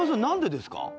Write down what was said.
何でですか？